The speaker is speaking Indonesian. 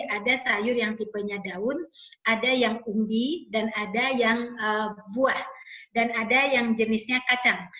ada sayur yang tipenya daun ada yang umbi dan ada yang buah dan ada yang jenisnya kacang